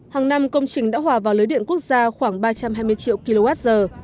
hàng năm công trình đã hòa vào lưới điện quốc gia khoảng ba trăm hai mươi triệu kwh